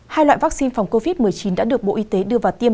hai loại vaccine phòng covid một mươi chín đã được bộ y tế đưa vào tiêm